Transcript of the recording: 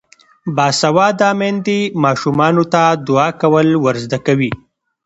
باسواده میندې ماشومانو ته دعا کول ور زده کوي.